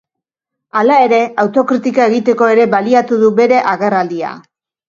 Hala ere, autokritika egiteko ere baliatu du bere agerraldia.